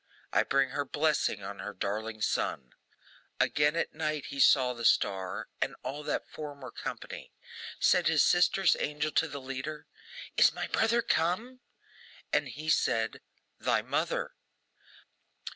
I bring her blessing on her darling son!' Again at night he saw the star, and all that former company. Said his sister's angel to the leader. 'Is my brother come?' And he said, 'Thy mother!